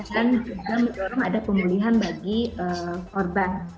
juga mendorong ada pemulihan bagi korban